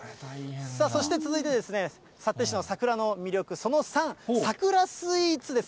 そして続いて、幸手市の桜の魅力、その３、桜スイーツです。